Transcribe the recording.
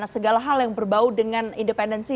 segala hal yang berbau dengan independensi